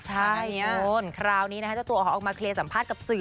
แต่ตอนคราวนี้วันนี้จะตั๋วออกออกมาเคลียร์สัมพันธ์กับสื่อ